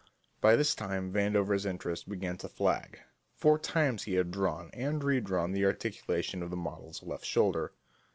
By this time Vandover's interest began to flag. Four times he had drawn and redrawn the articulation of the model's left shoulder.